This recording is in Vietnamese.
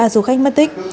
ba du khách mất tích